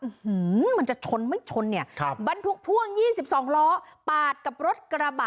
เออหือมันจะชนไม่ชนเนี้ยครับบรรทุ่งพวกยี่สิบสองล้อปาดกับรถกระบะ